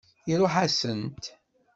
Iṛuḥ-asent.